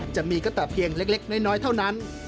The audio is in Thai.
จะมีก็แต่เพียงเล็กน้อยเท่านั้น